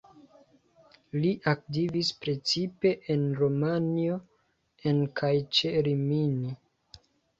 Li aktivis precipe en Romanjo, en kaj ĉe Rimini.